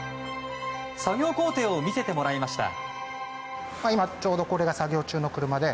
作業工程を見せてもらいました。